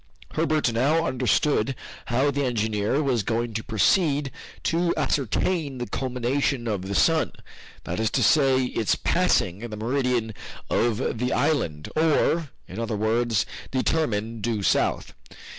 Herbert now understood how the engineer was going to proceed to ascertain the culmination of the sun, that is to say its passing the meridian of the island or, in other words, determine due south.